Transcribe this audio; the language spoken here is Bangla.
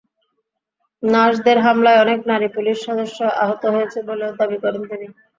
নার্সদের হামলায় অনেক নারী পুলিশ সদস্য আহত হয়েছে বলেও দাবি করেন তিনি।